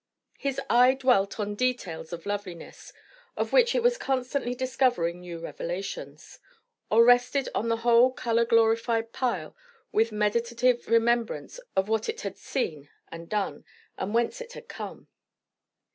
His eye dwelt on details of loveliness, of which it was constantly discovering new revelations; or rested on the whole colour glorified pile with meditative remembrance of what it had seen and done, and whence it had come.